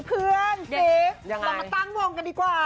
เพื่อนสิเรามาตั้งวงกันดีกว่า